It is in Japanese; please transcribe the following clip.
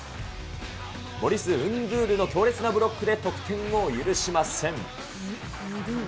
モリス・ンドゥールの強烈なブロックで得点を許しません。